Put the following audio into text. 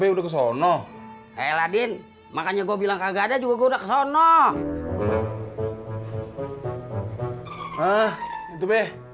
udah ano sadece yang mulu